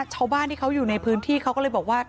ชาวบ้านที่เขาอยู่ในพื้นที่เขาก็เลยบอกว่า